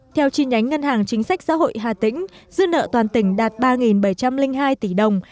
theo chi nhánh ngân hàng chính sách xã hội hà tĩnh dư nợ toàn tỉnh đạt ba bảy trăm linh hai tỷ đồng